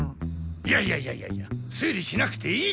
いやいやいやいやいやすい理しなくていい！